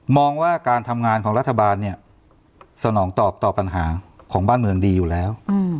มองว่าการทำงานของรัฐบาลเนี่ยสนองตอบต่อปัญหาของบ้านเมืองดีอยู่แล้ว